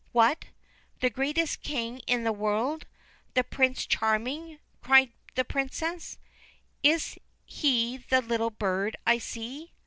'What! The greatest King in the world I The Prince Charming 1 cried the Princess. ' Is he the little bird I see?'